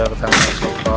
ini kita masuk